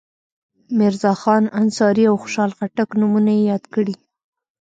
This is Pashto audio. میرزاخان انصاري او خوشحال خټک نومونه یې یاد کړي.